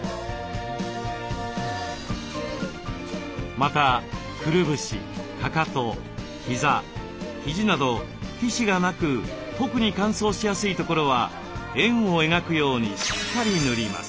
またくるぶしかかとひざひじなど皮脂がなく特に乾燥しやすいところは円を描くようにしっかり塗ります。